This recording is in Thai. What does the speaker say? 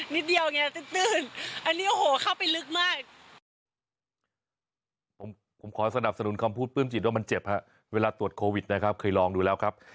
นิดเดียวไงตื่นอันนี้โอ้โหเข้าไปลึกมาก